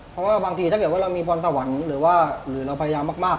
เพราะว่าบางทีถ้าเกิดว่าเรามีพรสวรรค์หรือว่าหรือเราพยายามมาก